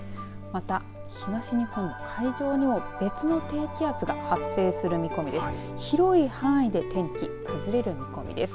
また東日本の海上にも別の低気圧が発生する見込みです。